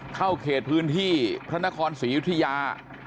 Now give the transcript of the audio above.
เข้าเขตพื้นที่พระนครศรียุธยา